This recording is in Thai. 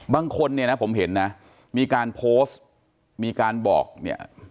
บางคนเนี่ยนะผมเห็นนะมีการโพสต์มีการบอกเนี่ย